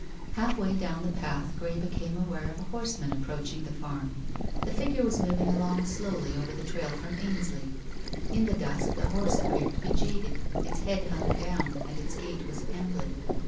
Halfway down the path Grey became aware of a horseman approaching the farm. The figure was moving along slowly over the trail from Ainsley. In the dusk the horse appeared to be jaded; its head hung down, and its gait was ambling.